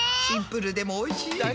シンプルでもおいしい！